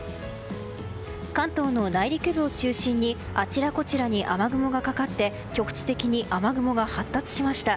関東の内陸部を中心にあちらこちらに雨雲がかかって局地的に雨雲が発達しました。